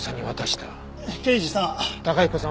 刑事さん。